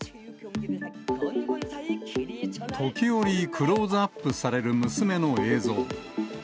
時折、クローズアップされる娘の映像。